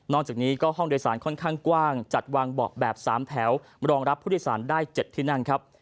จากนี้ก็ห้องโดยสารค่อนข้างกว้างจัดวางเบาะแบบ๓แถวรองรับผู้โดยสารได้๗ที่นั่งครับ